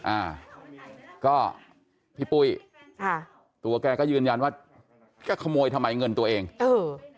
อ่าก็พี่ปุ้ยค่ะตัวแกก็ยืนยันว่าแกขโมยทำไมเงินตัวเองเออ